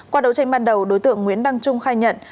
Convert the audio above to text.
qua đấu tranh ban đầu đối tượng nguyễn đăng trung khai nhận